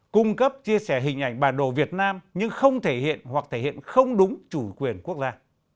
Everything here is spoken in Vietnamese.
cung cấp chia sẻ hình ảnh bản đồ việt nam nhưng không thể hiện hoặc thể hiện không đúng chủ quyền quốc gia